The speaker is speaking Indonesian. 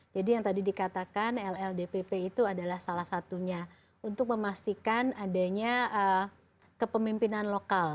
jadi yang tadi dikatakan lldpp itu adalah salah satunya untuk memastikan adanya kepemimpinan lokal